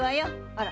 あら？